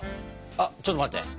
あっちょっと待って。